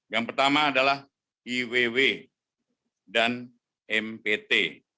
yang pertama adalah iww dan mpt